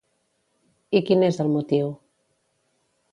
I quin és el motiu?